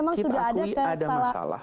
kita akui ada masalah